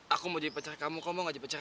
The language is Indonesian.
aku mau dipecar kamu kamu mau gak dipecar aku